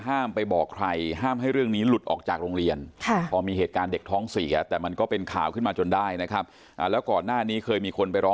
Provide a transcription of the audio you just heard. ไปบอกใครห้ามให้เรื่องนี้หลุดออกจากโรงเรียนพอมีเหตุการณ์เด็กท้องเสียแต่มันก็เป็นข่าวขึ้นมาจนได้นะครับแล้วก่อนหน้านี้เคยมีคนไปร้อง